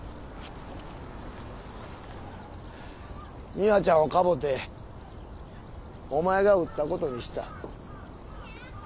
美羽ちゃんをかぼうてお前が撃ったことにした。